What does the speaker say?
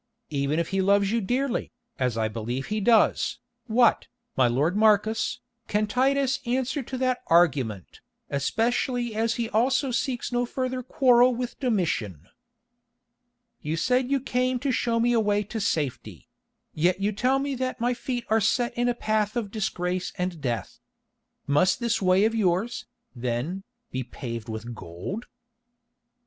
Even if he loves you dearly, as I believe he does, what, my lord Marcus, can Titus answer to that argument, especially as he also seeks no further quarrel with Domitian?" "You said you came to show me a way to safety—yet you tell me that my feet are set in the path of disgrace and death. Must this way of yours, then, be paved with gold?"